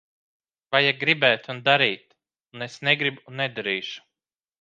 Vajag gribēt un darīt. Un es negribu un nedarīšu.